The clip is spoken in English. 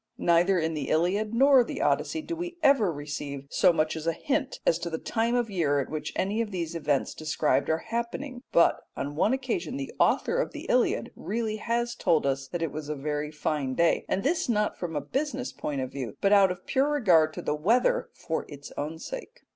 Neither in the Iliad nor the Odyssey do we ever receive so much as a hint as to the time of year at which any of the events described are happening; but on one occasion the author of the Iliad really has told us that it was a very fine day, and this not from a business point of view, but out of pure regard to the weather for its own sake.